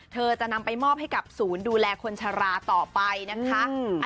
เธอจะนำไปมอบให้กับศูนย์ดูแลคนชะลาต่อไปนะคะ